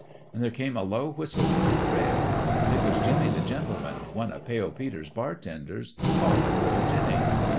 An' there came a low whistle from the trail. It was Jimmie the Gentleman, one o' Pale Peter's bar tenders, callin' little Jinny.